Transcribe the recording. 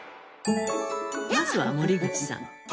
まずは森口さん。